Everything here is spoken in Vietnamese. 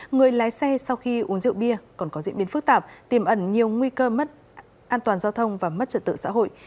người lái xe sau khi uống rượu bia còn có diễn biến phức tạp tìm ẩn nhiều nguy cơ mất an toàn giao thông và mất trật tự xã hội